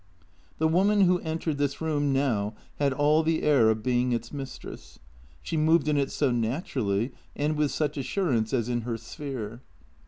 The woman who entered this room now had all the air of being its mistress; she moved in it so naturally and with such assurance, as in her sphere.